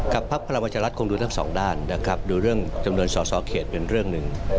พักพลังประชารัฐคงดูทั้งสองด้านนะครับดูเรื่องจำนวนสอสอเขตเป็นเรื่องหนึ่ง